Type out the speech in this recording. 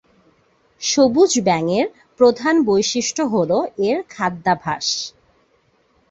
সবুজ ব্যাঙের প্রধান বৈশিষ্ট্য হলো এর খাদ্যাভ্যাস।